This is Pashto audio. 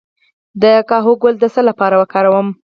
د کاهو ګل د څه لپاره وکاروم؟